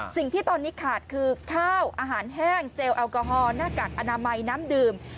สิ่งที่ตอนนี้ขาดคือข้าวอาหารแห้งเจลแอลกอฮอลหน้ากากอนามัยน้ำดื่ม